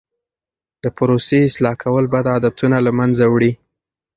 د پروسې اصلاح کول بد عادتونه له منځه وړي.